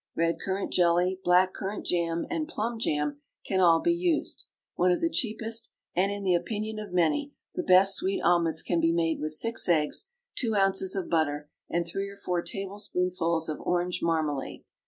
Red currant jelly, black currant jam, and plum jam can all be used. One of the cheapest and, in the opinion of many, the best sweet omelets can be made with six eggs, two ounces of butter, and three or four tablespoonfuls of orange marmalade.